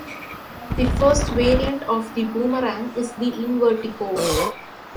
The first variant of the Boomerang is the Invertigo.